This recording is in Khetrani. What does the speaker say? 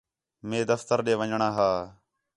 موں دفتر ݙے ونڄݨاں ہا